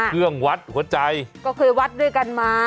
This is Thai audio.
เครื่องวัดหัวใจก็เคยวัดด้วยกันมา